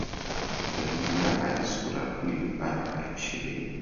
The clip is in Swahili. Galilaya sura ya pili aya ya ishirini